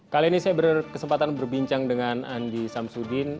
kali ini saya berkesempatan berbincang dengan andi samsudin